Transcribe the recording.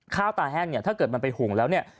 ข้าวตาแห้งเนี่ยถ้าเกิดมันไปหุ่งแล้วเนี่ย